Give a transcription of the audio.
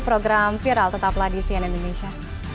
program viral tetaplah di cnn indonesia